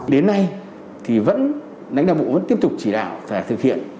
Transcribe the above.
đến nay đánh đa vụ vẫn tiếp tục chỉ đảo và thực hiện